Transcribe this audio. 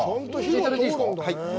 いただいていいですか？